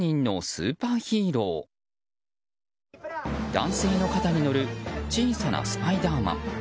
男性の肩に乗る小さなスパイダーマン。